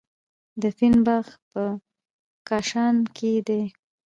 د فین باغ په کاشان کې دی.